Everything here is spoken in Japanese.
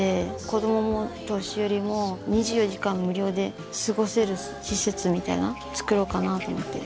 子どももお年寄りも２４時間無料で過ごせる施設みたいなつくろうかなと思って。